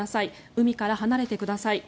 海から離れてください。